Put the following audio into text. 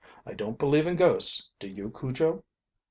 "I don't believe in ghosts, do you, Cujo?"